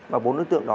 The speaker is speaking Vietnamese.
và bốn đối tượng đó